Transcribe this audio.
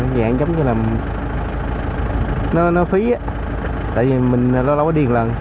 dạng giống như là nó phí á tại vì mình lâu lâu có đi một lần